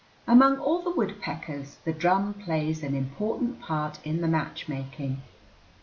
Among all the woodpeckers the drum plays an important part in the matchmaking.